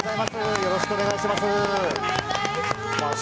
よろしくお願いします。